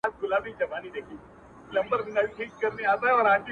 • د خوبونو په لیدلو نه رسیږو ,